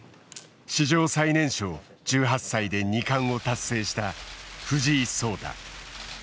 史上最年少１８歳で二冠を達成した藤井聡太。